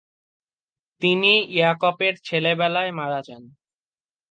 তিনি ইয়াকপের ছেলেবেলায় মারা যান।